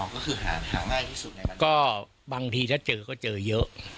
อ๋อก็คือหาง่ายที่สุดในบรรยาบางทีถ้าเจอเขาเจอเยอะ